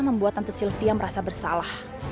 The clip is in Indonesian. membuat tante sylvia merasa bersalah